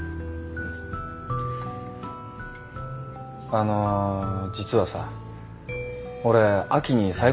あの実はさ俺秋に再婚することにしたんだ。